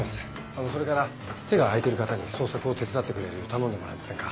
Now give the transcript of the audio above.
あのそれから手が空いてる方に捜索を手伝ってくれるように頼んでもらえませんか？